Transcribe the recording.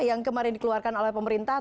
yang kemarin dikeluarkan oleh pemerintah